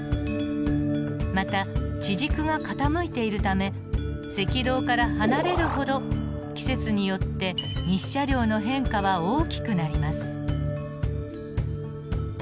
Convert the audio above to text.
また地軸が傾いているため赤道から離れるほど季節によって日射量の変化は大きくなります。